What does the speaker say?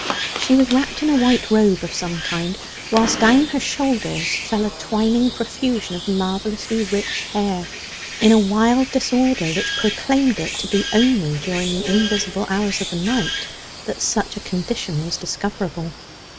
She was wrapped in a white robe of some kind, whilst down her shoulders fell a twining profusion of marvellously rich hair, in a wild disorder which proclaimed it to be only during the invisible hours of the night that such a condition was discoverable.